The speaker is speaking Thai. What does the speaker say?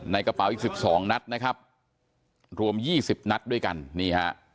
ในกระเป๋าอีก๑๒นัดนะครับรวม๒๐นัดด้วยกันนี่ฮะ